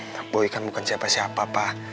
pak boy kan bukan siapa siapa pak